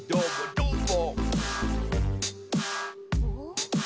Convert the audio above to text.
どーも。